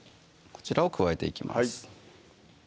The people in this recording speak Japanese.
こちらを加えていきます